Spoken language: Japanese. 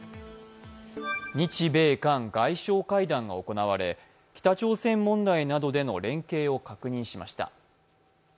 日米韓外相会談が行われ北朝鮮問題などでの連携を確認しました。